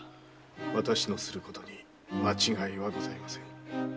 私のすることに間違いはございません。